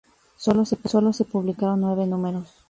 Sólo se publicaron nueve números.